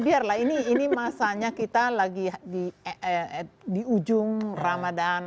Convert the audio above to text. iya lah ini masanya kita lagi di ujung ramadan